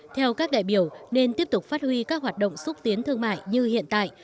theo các đại biểu nên tiếp tục phát huy các hoạt động xúc tiến thương mại như hiện tại